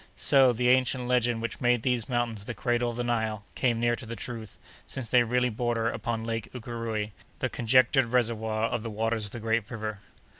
So, the ancient legend which made these mountains the cradle of the Nile, came near to the truth, since they really border upon Lake Ukéréoué, the conjectured reservoir of the waters of the great river.